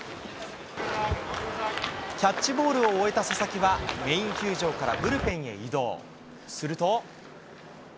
キャッチボールを終えた佐々木はメイン球場からブルペンへ移動。